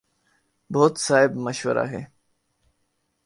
بہت صائب مشورہ ہے۔